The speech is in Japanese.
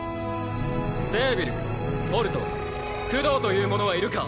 セービルホルトクドーという者はいるか？